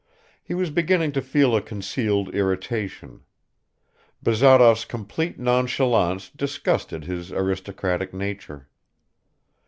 He was beginning to feel a concealed irritation. Bazarov's complete nonchalance disgusted his aristocratic nature.